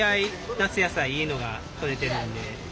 夏野菜いいのが採れてるんで。